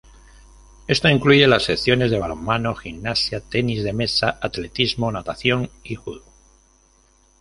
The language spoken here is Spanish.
Esto incluye las Secciones de Balonmano, Gimnasia, tenis de mesa, Atletismo, Natación y Judo.